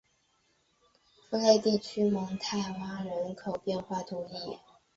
福雷地区蒙泰圭人口变化图示